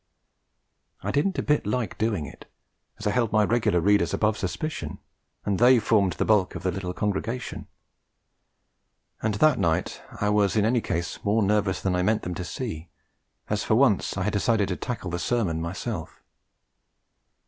I didn't a bit like doing it, as I held my regular readers above suspicion, and they formed the bulk of the little congregation; and that night I was in any case more nervous than I meant them to see, as for once I had decided to tackle the 'sermon' myself.